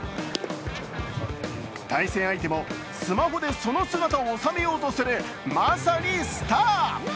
対戦相手もスマホでその姿をおさめようとする、まさにスター。